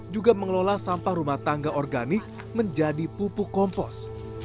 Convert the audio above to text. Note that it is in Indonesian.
juga mengelola sampah rumah tangga organik menjadi pupuk kompos